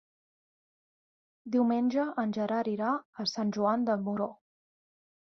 Diumenge en Gerard irà a Sant Joan de Moró.